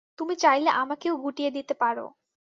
তুমি চাইলে আমাকেও গুটিয়ে দিতে পারো।